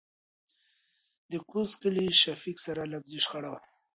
دکوز کلي شفيق سره يې لفظي شخړه وه .